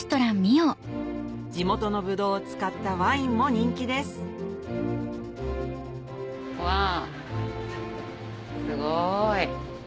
地元のブドウを使ったワインも人気ですわすごい。